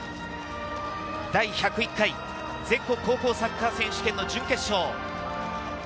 第１０１回全国高校サッカー選手権の準決勝。